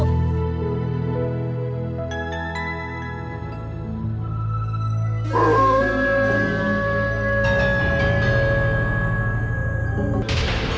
itu suara ratu serigala